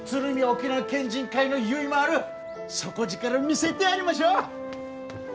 沖縄県人会のゆいまーる底力見せてやりましょう！